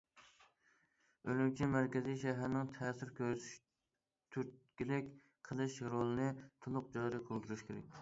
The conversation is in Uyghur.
ئۈرۈمچى مەركىزىي شەھەرنىڭ تەسىر كۆرسىتىش، تۈرتكىلىك قىلىش رولىنى تولۇق جارى قىلدۇرۇش كېرەك.